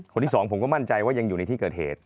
คนที่สองผมก็มั่นใจว่ายังอยู่ในที่เกิดเหตุ